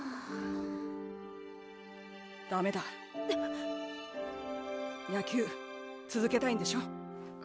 ダメだ野球つづけたいんでしょ？